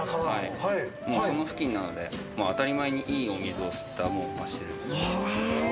その付近なので、当たり前にいいお水を吸ったマッシュルームです。